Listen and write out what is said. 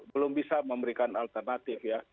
belum bisa memberikan alternatif